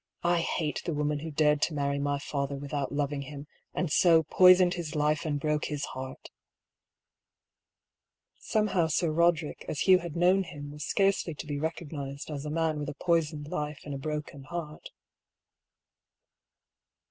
I hate the woman who dared to marry my father without loving him, and so, poisoned his life and broke his heart !" Somehow Sir Roderick as Hugh had known him was scarcely to be recognised as a man with a poisoned life and a broken heart.